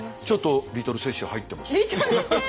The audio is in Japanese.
ちょっとリトル雪舟入ってます。